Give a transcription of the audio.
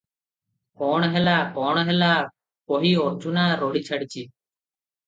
"କଣ ହେଲା, କଣ ହେଲା" କହି ଅର୍ଜୁନା ରଡ଼ି ଛାଡ଼ିଛି ।